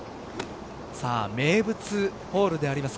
名物ホールであります